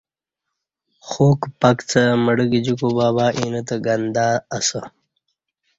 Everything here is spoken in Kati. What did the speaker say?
خوک پکڅہ مڑہ گجی کوبہ بہ اینہ تہ گندہ اسہ